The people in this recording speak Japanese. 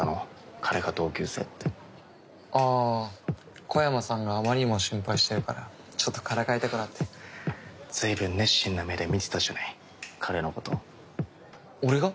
彼が同級生ってああ小山さんがあまりにも心配してるからちょっとからかいたくなって随分彼のこと俺が？